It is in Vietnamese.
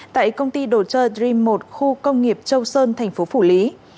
tại công ty đồ chơi dream một khu công nghiệp châu sơn tp phủ lý